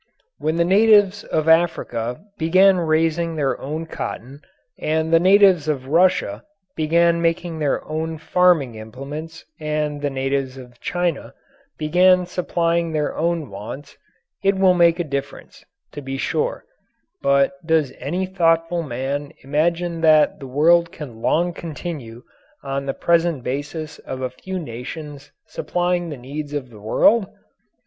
When the natives of Africa begin raising their own cotton and the natives of Russia begin making their own farming implements and the natives of China begin supplying their own wants, it will make a difference, to be sure, but does any thoughtful man imagine that the world can long continue on the present basis of a few nations supplying the needs of the world?